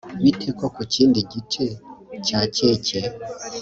bite ho ku kindi gice cya keke